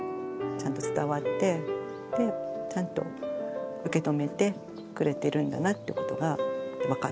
ちゃんと受け止めてくれてるんだなってことが分かってよかったです。